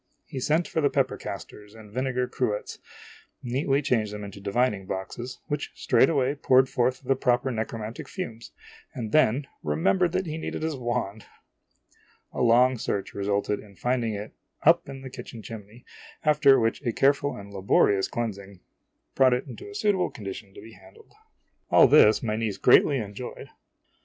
He <_> O sent for the pepper casters and vinegar cruets, neatly changed them into divining boxes, which straightway poured forth the proper necromantic fumes, and then remembered that he needed his wand ! A long search resulted in finding it up the kitchen chimney, after which a careful and laborious cleansing brought it into a suit <_> o able condition to be handled. All this my niece greatly enjoyed.